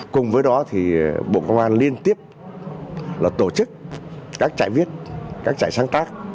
cùng với đó thì bộ công an liên tiếp tổ chức các trại viết các trại sáng tác